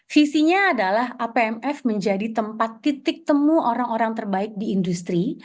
visinya adalah apmf menjadi tempat titik temu orang orang terbaik di industri